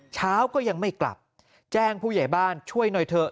เช้าก็ยังไม่กลับแจ้งผู้ใหญ่บ้านช่วยหน่อยเถอะ